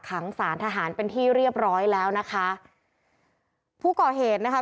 ขังสารทหารเป็นที่เรียบร้อยแล้วนะคะผู้ก่อเหตุนะคะ